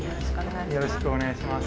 よろしくお願いします。